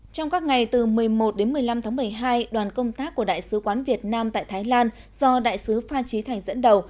trong các ngày từ một mươi một đến một mươi năm tháng một mươi hai đoàn công tác của đại sứ quán việt nam tại thái lan do đại sứ phan trí thành dẫn đầu